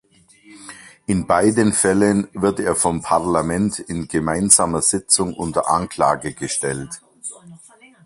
In beiden Fällen wird er vom Parlament in gemeinsamer Sitzung unter Anklage gestellt.